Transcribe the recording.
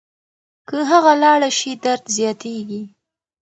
که هغه لاړه شي درد زیاتېږي.